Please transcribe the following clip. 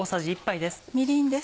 みりんです。